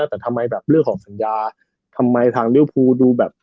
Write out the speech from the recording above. แต่ทำไมแบบเรื่องของสัญญาทำไมทางเรียวภูดูแบบ